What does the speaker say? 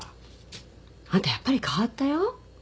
あんたやっぱり変わったよ。